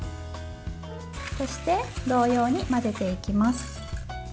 そして、同様に混ぜていきます。